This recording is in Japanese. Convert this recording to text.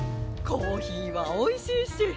コーヒーはおいしいし。